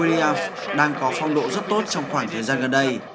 riau đang có phong độ rất tốt trong khoảng thời gian gần đây